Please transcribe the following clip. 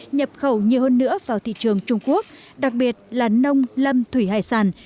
nhập khẩu nhiều hơn nữa vào thị trường trung quốc đặc biệt là nông lâm thủy hải sản